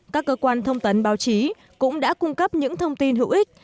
các cơ quan thông tấn báo chí cũng đã cung cấp những thông tin hữu ích